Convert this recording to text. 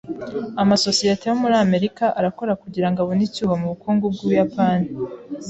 Amasosiyete yo muri Amerika arakora kugirango abone icyuho mubukungu bwUbuyapani.